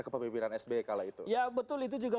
kepemimpinan sby kala itu ya betul itu juga